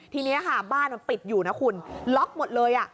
ทีนี้ค่ะบ้านมันปิดอยู่นะคุณล็อกหมดเลย